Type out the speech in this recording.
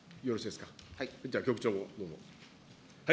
では局長もどうぞ。